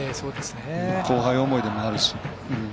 後輩思いでもあるし。